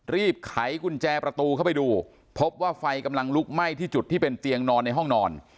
ไขกุญแจประตูเข้าไปดูพบว่าไฟกำลังลุกไหม้ที่จุดที่เป็นเตียงนอนในห้องนอน